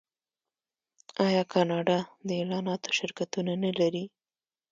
آیا کاناډا د اعلاناتو شرکتونه نلري؟